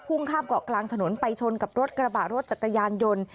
ข้ามเกาะกลางถนนไปชนกับรถกระบะรถจักรยานยนต์